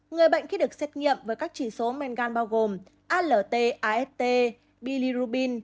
người bệnh khi được xét nghiệm với các chỉ số men gan bao gồm alt ast bilirubin